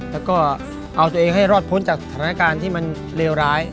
แล้วก็เอาตัวเองให้รอดพ้นจากสถานการณ์ที่มันเลวร้าย